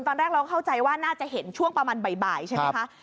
ตอนแรกเราเข้าใจว่าน่าจะเห็นช่วงประมาณบ่ายใช่ไหมคะ